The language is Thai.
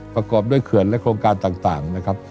ประกอบด้วยเขื่อนและโครงการต่างนะครับ